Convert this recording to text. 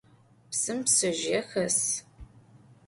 Psım ptsezjıê xes.